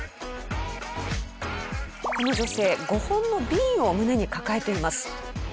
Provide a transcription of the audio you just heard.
この女性５本の瓶を胸に抱えています。